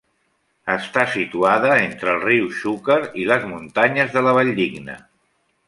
Està situada entre el riu Xúquer i les muntanyes de la Valldigna.